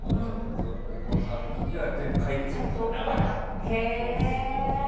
オリコンさんの記事は全部流れを書いてくれてたから。